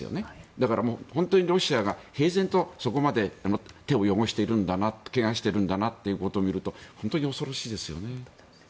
だからロシアが平然とそこまで手を汚しているんだなというのを見ると本当に恐ろしいですよね。